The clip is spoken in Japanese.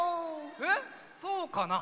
えっそうかな？